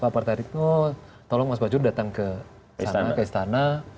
pak pratik tolong mas fajrul datang ke istana